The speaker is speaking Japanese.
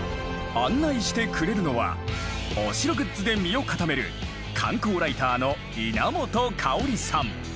案内してくれるのはお城グッズで身を固める観光ライターのいなもとかおりさん。